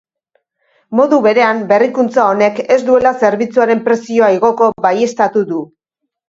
Modu berean, berrikuntza honek ez duela zerbitzuaren prezioa igoko baieztatu du.